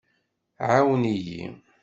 Ɛawen-iyi!